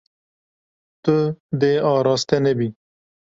Tu dê araste nebî.